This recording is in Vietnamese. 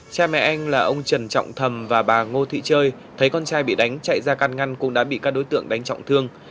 cha mẹ anh là ông trần trọng thầm và bà ngô thị chơi thấy con trai bị đánh chạy ra can ngăn cũng đã bị các đối tượng đánh trọng thương